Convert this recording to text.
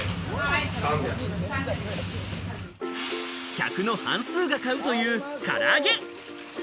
客の半数が買うという唐揚げ。